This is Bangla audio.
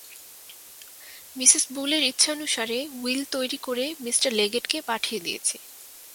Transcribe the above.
মিসেস বুলের ইচ্ছানুসারে উইল তৈরী করে মি লেগেটকে পাঠিয়ে দিয়েছি।